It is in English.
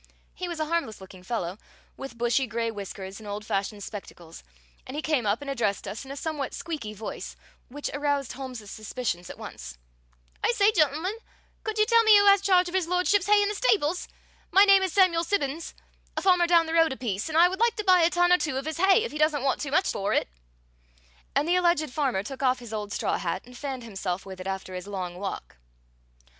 He was a harmless looking fellow, with bushy gray whiskers and old fashioned spectacles, and he came up and addressed us in a somewhat squeaky voice, which aroused Holmes's suspicions at once. "I say, gentlemen, could you tell me who has charge of His Lordship's hay in the stables? My name is Samuel Simmons, a farmer down the road a piece, and I would like to buy a ton or two of his hay, if he doesn't want too much for it." And the alleged farmer took off his old straw hat and fanned himself with it after his long walk.